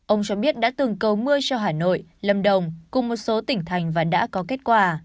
ông cho biết đã từng cầu mưa cho hà nội lâm đồng cùng một số tỉnh thành và đã có kết quả